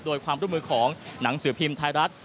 โดยความร่วมมือของหนังสือพิมพ์ไทยรัฐ